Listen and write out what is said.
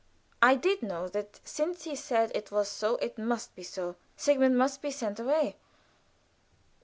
I did know that since he said it was so it must be so. Sigmund must be sent away!